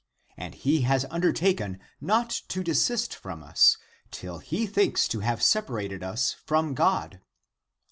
And he has undertaken not to desist from us, till he thinks to have sepa rated us (from God).